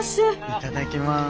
いただきます。